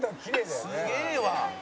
「すげえわ！」